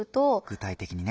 具体的にね。